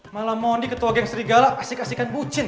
malah mondi ketua geng serigala asik asikan bucin